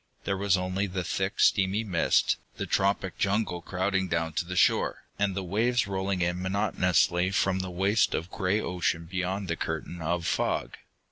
There was only the thick, steamy mist, the tropic jungle crowding down to the shore, and the waves rolling in monotonously from the waste of gray ocean beyond the curtain of fog.